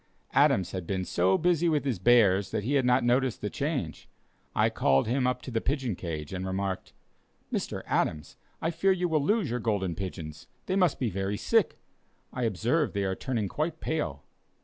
Adams had been so busy with his bears that he had not noticed the change. I called him up to the pigeon cage, and remarked: "Mr. Adams, I fear you will lose your Golden Pigeons; they must be very sick; I observe they are turning quite pale."